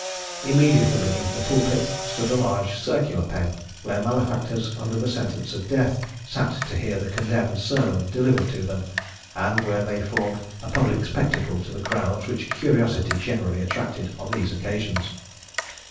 Immediately beneath the pulpit stood a large circular pen, where malefactors under sentence of death sat to hear the condemned sermon delivered to them, and where they formed a public spectacle to the crowds which curiosity generally attracted on those occasions.